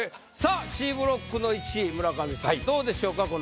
さあＣブロックの１位村上さんどうでしょうか？